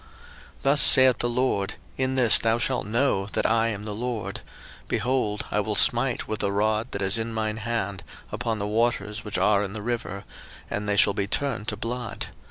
02:007:017 Thus saith the LORD, In this thou shalt know that I am the LORD: behold, I will smite with the rod that is in mine hand upon the waters which are in the river, and they shall be turned to blood.